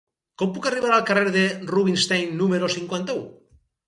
Com puc arribar al carrer de Rubinstein número cinquanta-u?